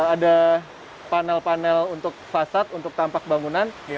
ada panel panel untuk fasad untuk tampak bangunan